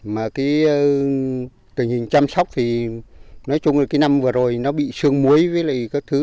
mà cái tình hình chăm sóc thì nói chung là cái năm vừa rồi nó bị sương muối với các thứ